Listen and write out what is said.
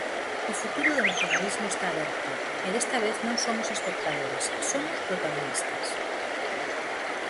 O futuro do nacionalismo esta aberto, e desta vez non somos espectadores, somos protagonistas.